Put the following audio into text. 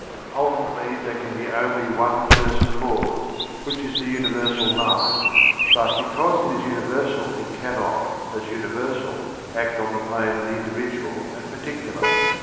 Ultimately there can be only one first cause which is the universal mind, but because it is universal it cannot, as universal, act on the plane of the individual and particular.